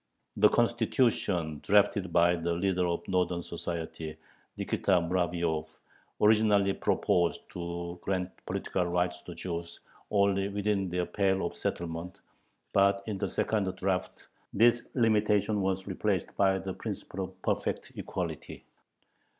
The constitution drafted by the leader of the "Northern Society," Nikita Muravyov, originally proposed to grant political rights to the Jews only within their Pale of Settlement, but in the second draft this limitation was replaced by the principle of perfect equality.